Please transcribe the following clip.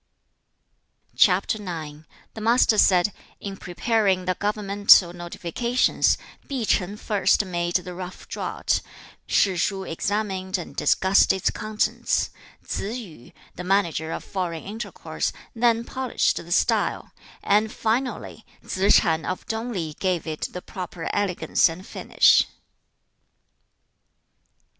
CHAP. IX. The Master said, 'In preparing the governmental notifications, P'i Shan first made the rough draught; Shi shu examined and discussed its contents; Tsze yu, the manager of Foreign intercourse, then polished the style; and, finally, Tsze ch'an of Tung li gave it the proper elegance and finish.'